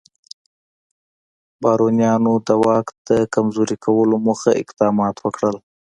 بارونیانو د واک د کمزوري کولو موخه اقدامات وکړل.